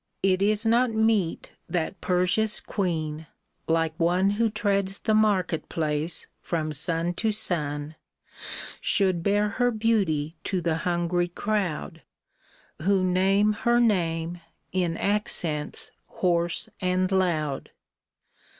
It is not meet that Persia's queen, like one Who treads the market place from sun to sun, Should bare her beauty to the hungry cro^vd, Who name her name in accents hoarse and loud."